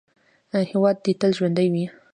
هیواد دې تل ژوندی وي.